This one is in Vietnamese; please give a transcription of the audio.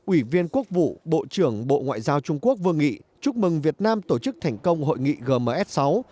ủy viên quốc vụ bộ trưởng bộ ngoại giao trung quốc vương nghị chúc mừng việt nam tổ chức thành công hội nghị gms sáu